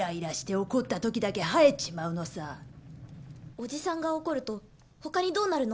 おじさんが怒ると他にどうなるの？